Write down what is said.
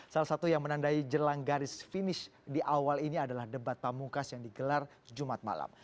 salah satu yang menandai jelang garis finish di awal ini adalah debat pamungkas yang digelar jumat malam